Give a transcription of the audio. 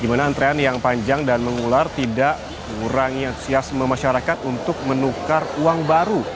dimana antrean yang panjang dan mengular tidak kurangi ansias memasyarakat untuk menukar uang baru